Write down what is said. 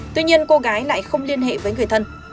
tuy nhiên cô gái lại không liên hệ với người thân